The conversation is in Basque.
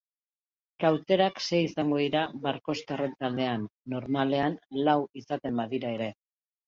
Kauterak sei izango dira barkoxtarren taldean, normalean lau izaten badira ere.